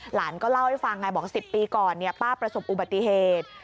หลานก็เล่าให้ฟังไงบอก๑๐ปีก่อนป้าประสบอุบัติเหตุ